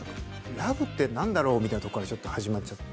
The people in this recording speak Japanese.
ラブってなんだろうみたいなところから、ちょっと始まっちゃって。